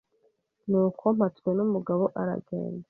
Nuko Mpatswe numugabo aragenda